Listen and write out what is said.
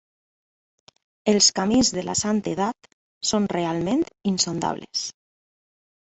Els camins de la santedat són realment insondables.